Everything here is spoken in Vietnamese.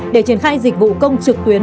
để triển khai dịch vụ công trực tuyến